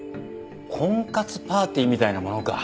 婚活パーティーみたいなものか。